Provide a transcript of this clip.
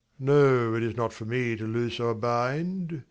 No, it is not for me to loose or bind.